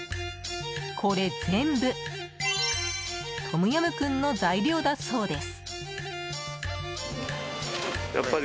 これ全部、トムヤンクンの材料だそうです。